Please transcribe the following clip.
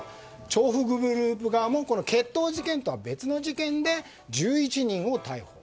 調布グループ側も決闘事件とは別の事件で１１人を逮捕。